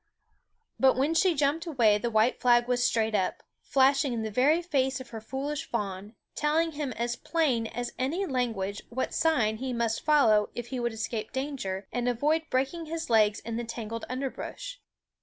But when she jumped away the white flag was straight up, flashing in the very face of her foolish fawn, telling him as plain as any language what sign he must follow if he would escape danger and avoid breaking his legs in the tangled underbrush.